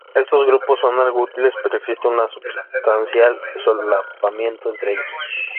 Estos grupos son algo útiles, pero existe un substancial solapamiento entre ellos.